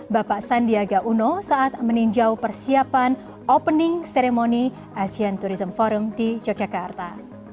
bapak sandiaga uno saat meninjau persiapan opening ceremony asean tourism forum di yogyakarta